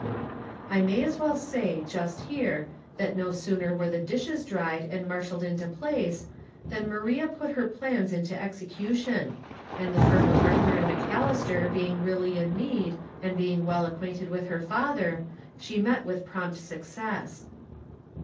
I may as well say, just here, that no sooner were the dishes dried and marshaled into place, than Maria put her plans into execution ; and the firm of Arthur & McAllister being really in need, and being well acquainted with her father, she met with prompt success.